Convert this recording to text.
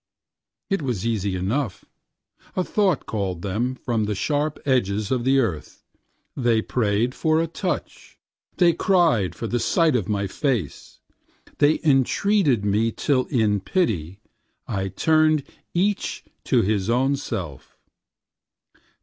It was easy enough– a thought called them from the sharp edges of the earth; they prayed for a touch, they cried for the sight of my face, they entreated me till in pity I turned each to his own self.